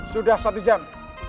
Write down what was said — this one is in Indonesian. sudah satu jam